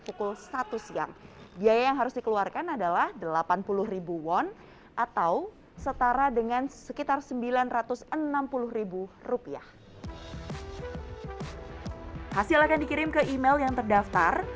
delapan puluh won atau setara dengan sekitar sembilan ratus enam puluh rupiah hasil akan dikirim ke email yang terdaftar